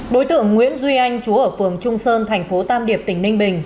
đối tượng nguyễn duy anh chú ở phường trung sơn thành phố tam điệp tỉnh ninh bình